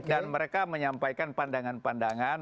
dan mereka menyampaikan pandangan pandangan